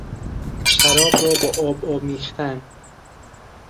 شراب را با آب آمیختن